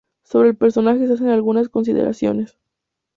Sobre el personaje se hacen algunas consideraciones.